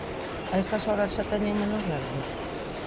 A estas horas xa teñen menos nervios?